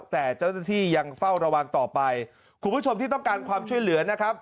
แต่เจ้าหน้าที่ยังเฝ้าระวังต่อไปคุณผู้ชมที่ต้องการความช่วยเหลือนะครับ